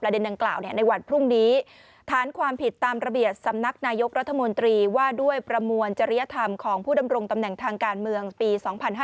ดังกล่าวในวันพรุ่งนี้ฐานความผิดตามระเบียบสำนักนายกรัฐมนตรีว่าด้วยประมวลจริยธรรมของผู้ดำรงตำแหน่งทางการเมืองปี๒๕๕๙